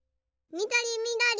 みどりみどり。